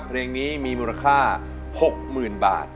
เพลงนี้มีมูลค่า๖๐๐๐บาท